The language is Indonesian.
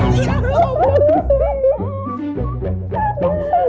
kamu hamil beb